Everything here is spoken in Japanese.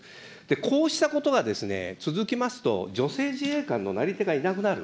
こうしたことは続きますと、女性自衛官のなり手がいなくなる。